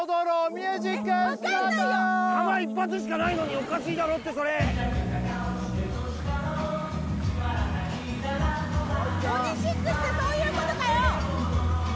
ミュージックスタート弾１発しかないのにおかしいだろうってそれ鬼６ってそういうことかよ